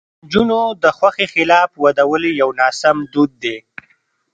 د نجونو د خوښې خلاف ودول یو ناسم دود دی.